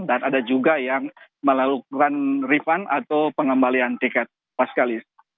ada juga yang melakukan refund atau pengembalian tiket paskalis